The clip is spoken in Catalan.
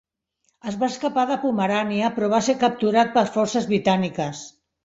Es va escapar de Pomerània, però va ser capturat per forces britàniques.